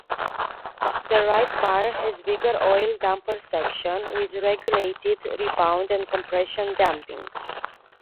The right bar has bigger oil damper section, with regulated rebound and compression damping.